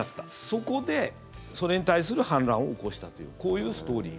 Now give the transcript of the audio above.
そこで、それに対する反乱を起こしたというこういうストーリー。